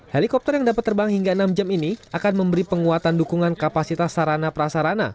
helikopter yang dapat terbang hingga enam jam ini akan memberi penguatan dukungan kapasitas sarana prasarana